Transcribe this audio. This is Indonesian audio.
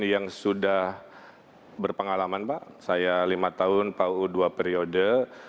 yang sudah berpengalaman pak saya lima tahun pak uu dua periode